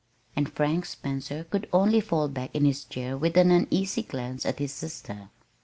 And Frank Spencer could only fall back in his chair with an uneasy glance at his sister.